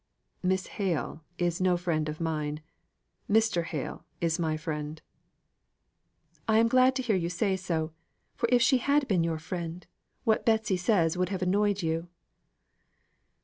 "Miss Hale is no friend of mine. Mr. Hale is my friend." "I am glad to hear you say so, for if she had been your friend, what Betsy says would have annoyed you."